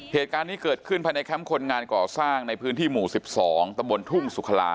เหตุการณ์นี้เกิดขึ้นภายในแคมป์คนงานก่อสร้างในพื้นที่หมู่๑๒ตะบนทุ่งสุขลา